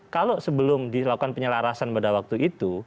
kalau sebelum dilakukan penyelarasan pada waktu itu